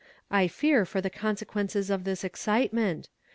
I fe„, fo, the confe quenccs of this excitement.